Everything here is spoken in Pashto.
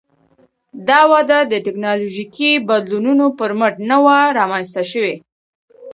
دا وده د ټکنالوژیکي بدلونونو پر مټ نه وه رامنځته شوې